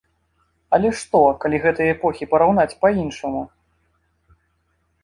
Але што, калі гэтыя эпохі параўнаць па-іншаму.